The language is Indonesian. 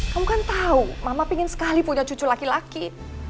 kamu kan tahu mama pingin sekali punya cucu laki laki